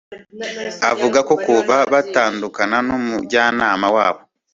Avuga ko kuva batandukana n’umujyanama wabo